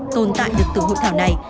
tồn tại được từ hội thảo này